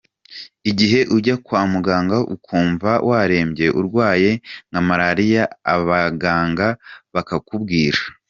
igihe ujya kwa muganga ukumva warembye urwaye nka malariya abaganga bakakubwira.